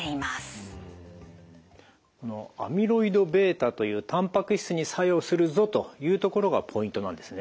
このアミロイドβというタンパク質に作用するぞというところがポイントなんですね。